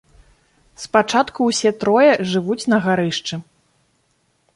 Спачатку ўсе трое жывуць на гарышчы.